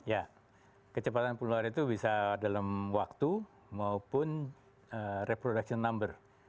ya kecepatan penularan itu bisa dalam waktu maupun reproduction number